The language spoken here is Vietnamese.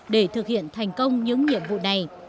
để thực hiện thành công những nhiệm vụ này